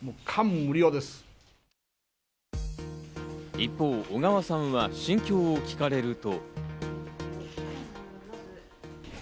一方、小川さんは心境を聞かれると。